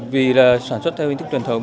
vì là sản xuất theo hình thức truyền thống